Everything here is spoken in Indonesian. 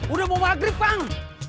udah mau maghrib bang